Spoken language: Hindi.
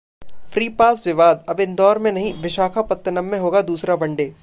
फ्री पास विवाद: अब इंदौर में नहीं, विशाखापत्तनम में होगा दूसरा वनडे